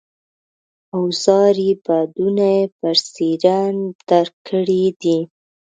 اوزاري بعدونه یې برسېرن درک کړي دي.